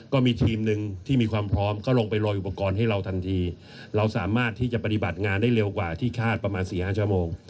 ก็มีทีมหนึ่งที่มีความพร้อมก็ลงไปรออุปกรณ์ให้เราทันทีเราสามารถที่จะปฏิบัติงานได้เร็วกว่าที่คาดประมาณ๔๕ชั่วโมง